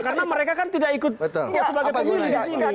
karena mereka kan tidak ikut sebagai pemilih di sini